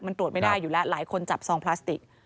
มันตรวจไม่ได้อยู่แล้วหลายคนจับซองพลาสติก